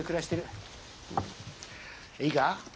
いいか？